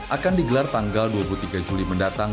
akan digelar tanggal dua puluh tiga juli mendatang